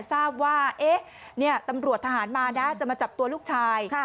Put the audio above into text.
ทราบว่าตำรวจทหารมานะจะมาจับตัวลูกชาย